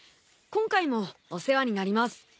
今回もお世話になります。